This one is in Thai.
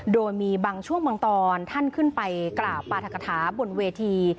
โดยมีบางช่วงบางตอนท่านขึ้นไปกล่าวปราธกฐาบนเวที